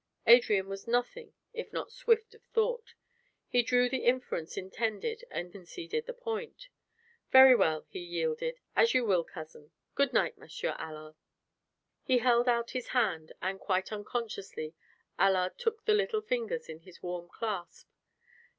Adrian was nothing if not swift of thought; he drew the inference intended and conceded the point. "Very well," he yielded. "As you will, cousin. Good night, Monsieur Allard." He held out his hand, and quite unconsciously Allard took the little fingers in his warm clasp.